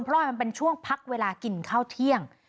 เพราะว่ามันเป็นช่วงพักเวลากินข้าวเที่ยง